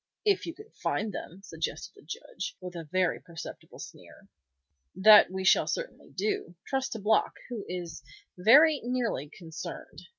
"If you can find them!" suggested the Judge, with a very perceptible sneer. "That we shall certainly do. Trust to Block, who is very nearly concerned.